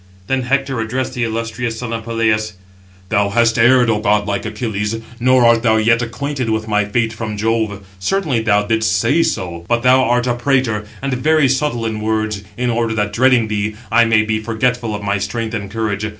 Then Hector addressed the illustrious son of Peleus: "Thou hast erred, O godlike Achilles, nor art thou yet acquainted with my fate from Jove; certainly thou didst say so, but thou art a prater, and very subtle in words, in order that, dreading thee, I may be forgetful of my strength and courage.